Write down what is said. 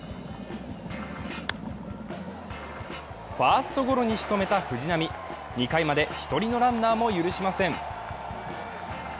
ファーストゴロにしとめた藤浪、２回まで１人のランナーも許しません。